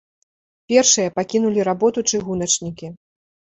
Першыя пакінулі работу чыгуначнікі.